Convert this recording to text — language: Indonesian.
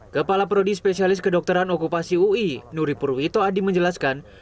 kepala prodispesialis kedokteran okupasi ui nuri purwito adi menjelaskan